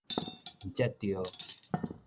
毋才著